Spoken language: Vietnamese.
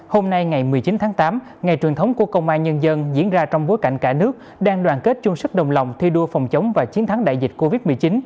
hôm nay ngày một mươi chín tháng tám ngày truyền thống của công an nhân dân diễn ra trong bối cảnh cả nước đang đoàn kết chung sức đồng lòng thi đua phòng chống và chiến thắng đại dịch covid một mươi chín